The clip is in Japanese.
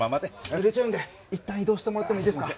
ぬれちゃうんでいったん移動してもらってもいいですか？